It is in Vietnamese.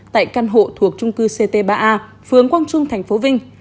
tại căn hộ thuộc trung cư ct ba a phường quang trung thành phố vinh